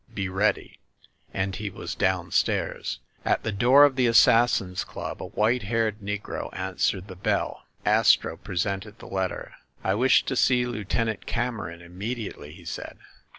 Be ready !" And he was down stairs. At the door of the Assassins' Club, a white haired negro answered the bell. Astro presented the letter. "I wish to see Lieuten ant Cameron immediately !" he said.